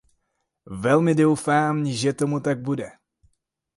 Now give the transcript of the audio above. Velmi doufám, že tomu tak bude.